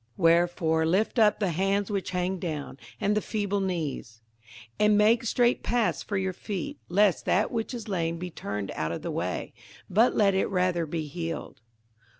58:012:012 Wherefore lift up the hands which hang down, and the feeble knees; 58:012:013 And make straight paths for your feet, lest that which is lame be turned out of the way; but let it rather be healed.